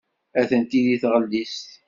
Atenti deg tɣellist.